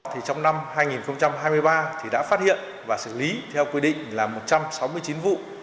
trong năm hai nghìn hai mươi ba thì đã phát hiện và xử lý theo quy định là một trăm sáu mươi chín vụ